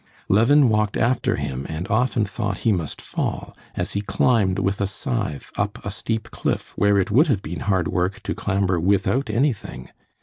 Levin walked after him and often thought he must fall, as he climbed with a scythe up a steep cliff where it would have been hard work to clamber without anything.